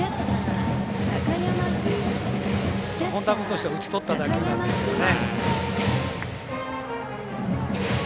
本田君としては打ちとった打球なんですけどね。